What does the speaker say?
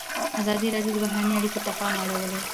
ازادي راډیو د بهرنۍ اړیکې ته پام اړولی.